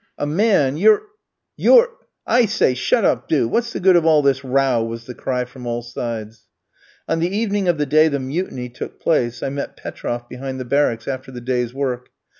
"A man! You're " "You're " "I say! Shut up, do! What's the good of all this row?" was the cry from all sides. On the evening of the day the "mutiny" took place, I met Petroff behind the barracks after the day's work.